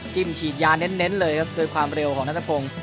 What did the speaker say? จิ้มฉีดยานเน้นเน้นเลยครับด้วยความเร็วของนัทธพงษ์